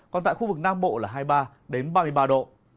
còn tại khu vực nam bộ là hai mươi ba ba mươi ba độ